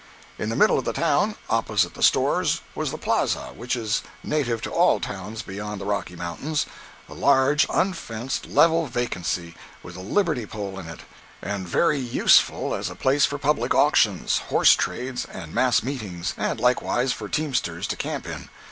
In the middle of the town, opposite the stores, was the "plaza" which is native to all towns beyond the Rocky Mountains—a large, unfenced, level vacancy, with a liberty pole in it, and very useful as a place for public auctions, horse trades, and mass meetings, and likewise for teamsters to camp in.